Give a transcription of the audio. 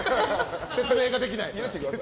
説明ができない。